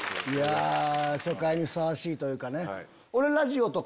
初回にふさわしいというかね。